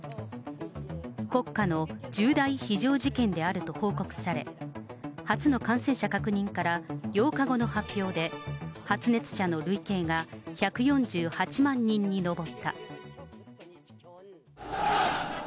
国家の重大非常事件であると報告され、初の感染者確認から８日後の発表で、発熱者の累計が１４８万人に上った。